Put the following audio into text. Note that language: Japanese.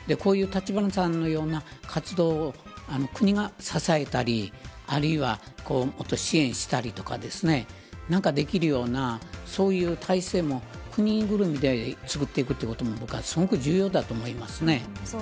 橘さんのような活動国が支えたりあるいは、もっと支援したりとか何かできるようなそういう体制も国ぐるみで作っていくことも僕はすごく重要だと思います。